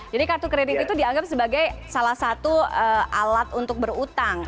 jadi kartu kredit itu dianggap sebagai salah satu alat untuk berutang